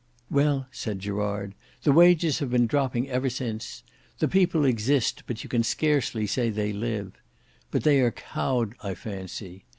"Well," said Gerard, "the wages have been dropping ever since. The people exist, but you can scarcely say they live. But they are cowed I fancy.